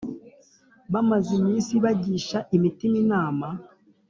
Bamaze iminsi bagisha imitima inama